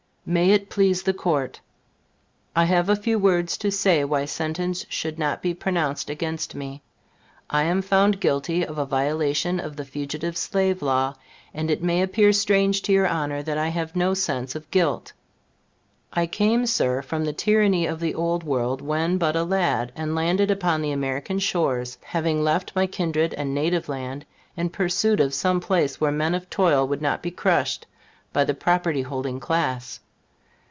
] MAY IT PLEASE THE COURT: I have a few words to say why sentence should not be pronounced against me. I am found guilty of a violation of the Fugitive Slave Law, and it may appear strange to your Honor that I have no sense of guilt. I came, Sir, from the tyranny of the Old World, when but a lad, and landed upon the American shores, having left my kindred and native land in pursuit of some place where men of toil would not be crushed by the property holding class.